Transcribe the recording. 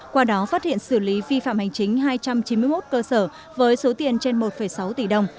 qua đó phát hiện xử lý vi phạm hành chính hai trăm chín mươi một cơ sở với số tiền trên một sáu tỷ đồng